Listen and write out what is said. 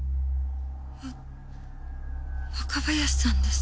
わ若林さんです。